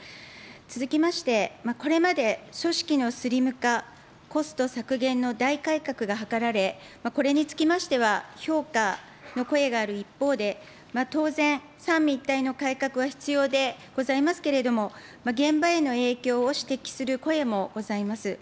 続きまして、これまで組織のスリム化、コスト削減の大改革が図られ、これにつきましては、評価の声がある一方で、当然、三位一体の改革は必要でございますけれども、現場への影響を指摘する声もございます。